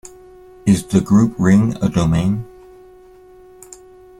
Is the group ring a domain?